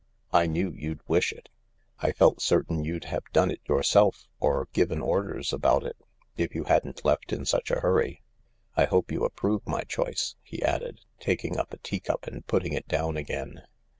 I knew you'd wish it. I felt certain you'd have done it yourself, or given orders about it, if you hadn't left in such a hurry. I hope you approve my choice," he added, taking up a tea <cup and putting it down again.